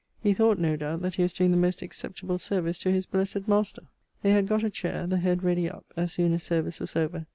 He thought, no doubt, that he was doing the most acceptable service to his blessed master. They had got a chair; the head ready up, as soon as service was over.